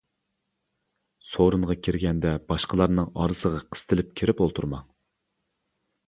سورۇنغا كىرگەندە باشقىلارنىڭ ئارىسىغا قىستىلىپ كىرىپ ئولتۇرماڭ.